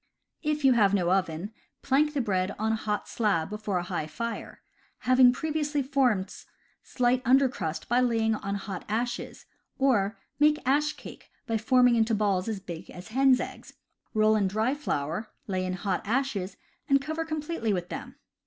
If you have no oven, plank the bread on hot slab before a high fire, having previously formed slight under crust by laying on hot ashes; or, make ash cake by forming into balls as big as hen's eggs, roll in dry flour, lay in hot ashes and cover completely with them.